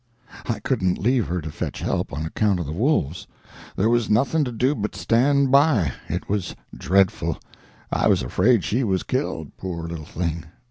I couldn't leave her to fetch help, on account of the wolves. There was nothing to do but stand by. It was dreadful. I was afraid she was killed, poor little thing!